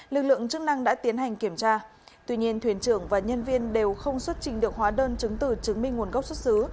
lực lượng chức năng đã tiến hành kiểm tra tuy nhiên thuyền trưởng và nhân viên đều không xuất trình được hóa đơn chứng từ chứng minh nguồn gốc xuất xứ